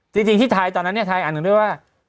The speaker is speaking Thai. ดีจริงที่ท้ายตอนนั้นเนี่ยท้ายว่า